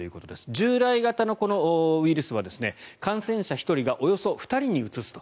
従来型のウイルスは感染者１人がおよそ２人にうつすと。